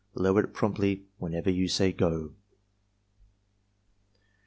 Lower it promptly whenever you say "Go."